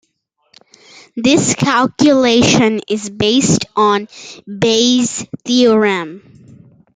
This calculation is based on Bayes' theorem.